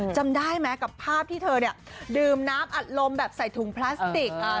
จำได้ไหมกับภาพที่เธอเนี่ยดื่มน้ำอัดลมแบบใส่ถุงพลาสติก